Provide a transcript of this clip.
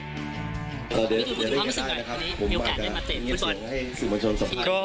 พี่ตูนคุณคุณความรู้สึกว่าวันนี้มีโอกาสได้มาเตะฟุตบอล